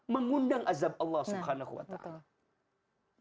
mengundang azab allah subhanahu wa ta'ala